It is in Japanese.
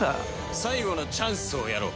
最後のチャンスをやろう。